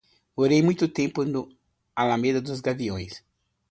Morei muito tempo na Alameda dos Gaviões.